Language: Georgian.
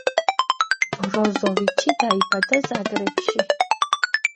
ბროზოვიჩი დაიბადა ზაგრებში.